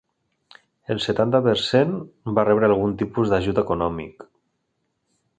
El setanta per cent va rebre algun tipus d'ajut econòmic.